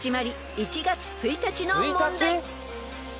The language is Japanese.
１月１日の問題］